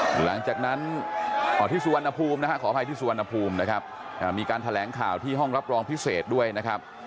หลังจากนั้นที่สุวรรณภูมินะฮะขออภัยที่สุวรรณภูมินะครับมีการแถลงข่าวที่ห้องรับรองพิเศษด้วยนะครับ